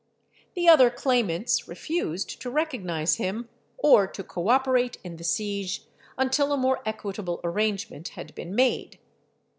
The other claimants refused to recognise him or to co operate in the siege until a more equitable arrangement had been made.